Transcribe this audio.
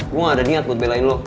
gue ada niat buat belain lo